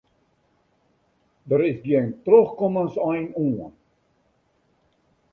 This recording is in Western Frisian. Der is gjin trochkommensein oan.